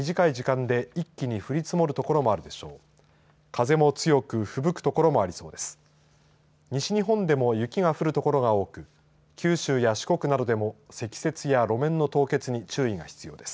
西日本でも雪が降る所が多く九州や四国などでも積雪や路面の凍結に注意が必要です。